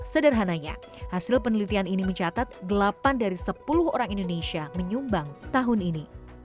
sederhananya hasil penelitian ini mencatat delapan dari sepuluh orang indonesia menyumbang tahun ini